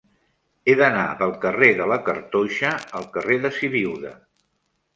He d'anar del carrer de la Cartoixa al carrer de Sibiuda.